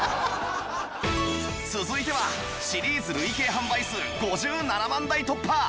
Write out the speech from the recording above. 続いてはシリーズ累計販売数５７万台突破！